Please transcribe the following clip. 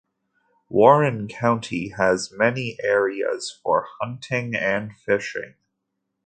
Warren County has many areas for hunting and fishing.